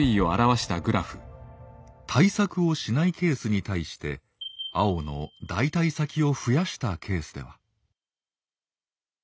対策をしないケースに対して青の代替先を増やしたケースでは。